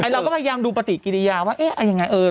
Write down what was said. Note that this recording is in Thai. เราก็พยายามดูปฏิกิริยาว่าเอ๊ะยังไง